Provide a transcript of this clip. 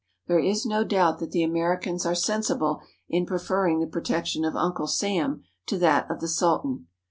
There is no doubt that the Americans are sensible in preferring the protection of Uncle Sam to that of the Sultan.